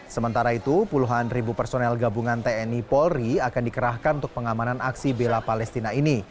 sementara itu puluhan ribu personel gabungan tni polri akan dikerahkan untuk pengamanan aksi bela palestina ini